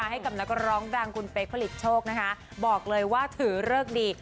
ให้กับนักร้องดังคุณเป๊กผลิตโชคนะคะบอกเลยว่าถือเลิกดี